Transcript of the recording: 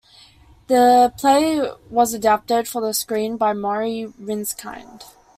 The play was adapted for the screen by Morrie Ryskind.